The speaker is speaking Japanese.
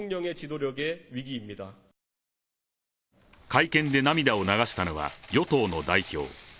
会見で涙を流したのは与党の代表。